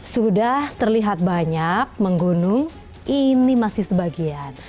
sudah terlihat banyak menggunung ini masih sebagian